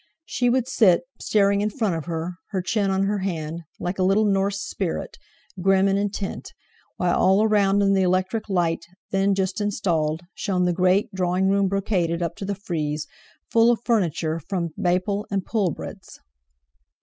She would sit, staring in front of her, her chin on her hand, like a little Norse spirit, grim and intent, while all around in the electric light, then just installed, shone the great, drawing room brocaded up to the frieze, full of furniture from Baple and Pullbred's.